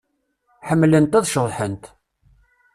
Ḥemmlent ad ceḍḥent.